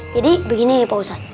jadi begini ya pak ustadz